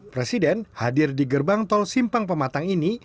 presiden hadir di gerbang tol simpang pematang ini